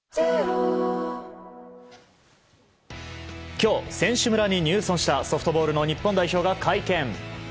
今日、選手村に入村したソフトボールの日本代表が会見。